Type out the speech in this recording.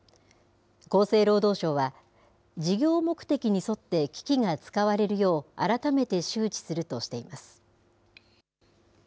厚生労働省は、事業目的に沿って機器が使われるよう、改めて周知するとしています。